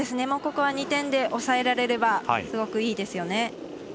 ここは２点で抑えられればすごくいいですよね。